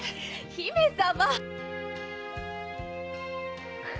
姫様！